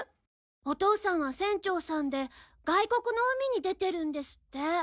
お父さんは船長さんで外国の海に出てるんですって。